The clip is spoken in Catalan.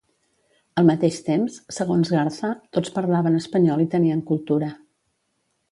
Al mateix temps, segons Garza tots parlaven espanyol i tenien cultura.